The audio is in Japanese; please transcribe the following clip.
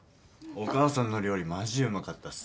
お母さんの料理マジうまかったっす。